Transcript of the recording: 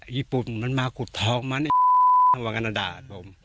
ญี่ปุ่นมันมาขุดทองมันไอ้ทางวังอันดาล